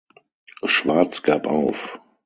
Schwarz gab auf.